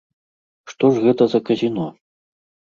Што ж гэта за казіно?